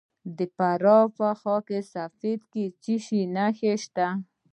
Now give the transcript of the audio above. د فراه په خاک سفید کې څه شی شته؟